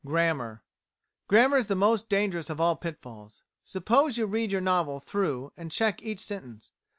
Grammar Grammar is the most dangerous of all pitfalls. Suppose you read your novel through, and check each sentence.